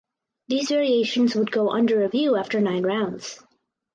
These variations would go under review after nine rounds.